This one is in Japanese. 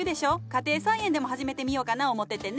家庭菜園でも始めてみようかな思ててね。